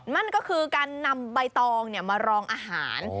นั่นก็คือการนำใบตองมารองอาหาร